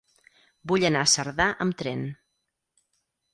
Vull anar a Cerdà amb tren.